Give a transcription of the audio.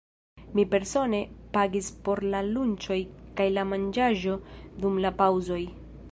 Mi persone pagis por la lunĉoj kaj la manĝaĵo dum la paŭzoj.